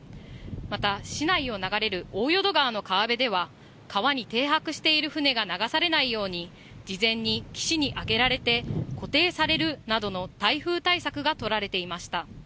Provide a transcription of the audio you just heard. また市内を流れる大淀川の川辺では川に停泊している船が流されないように事前に岸に上げられて固定されるなどの台風対策がとられていました。